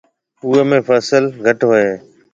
اوئيَ ۾ فصل گھٽ ھوئيَ ھيََََ